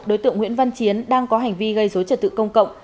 đối tượng nguyễn văn chiến đang có hành vi gây dối trật tự công cộng